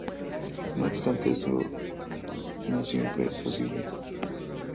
No obstante, esto no siempre es posible.